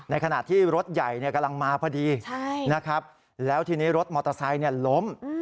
ขณะที่รถใหญ่กำลังมาพอดีนะครับแล้วทีนี้รถมอเตอร์ไซค์ล้ม